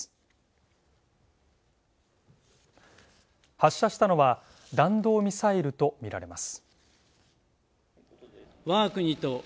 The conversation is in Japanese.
発射したのは弾道ミサイルとみられます。